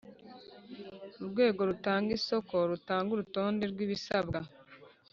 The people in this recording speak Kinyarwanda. Urwego rutanga isoko rutanga urutonde rw’ibisabwa